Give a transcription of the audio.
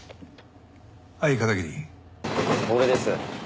俺です。